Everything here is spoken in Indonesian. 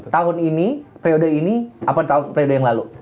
tahun ini periode ini apa tahun periode yang lalu